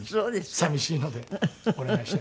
寂しいのでお願いしたいと。